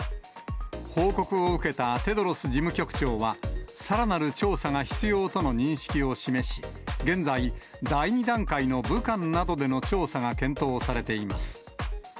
報告を受けたテドロス事務局長は、さらなる調査が必要との認識を示し、現在、第２段階の武漢などでの調査が検討されています。